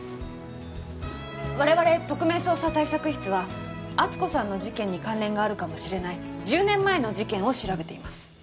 我々特命捜査対策室は篤子さんの事件に関連があるかもしれない１０年前の事件を調べています。